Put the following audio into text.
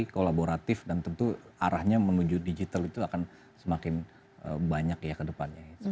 kolaboratif dan tentu arahnya menuju digital itu akan semakin banyak ya ke depannya